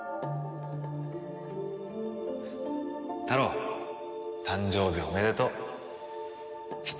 タロウ誕生日おめでとう。